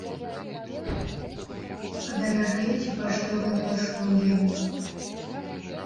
Падаражэюць і паштовыя паслугі.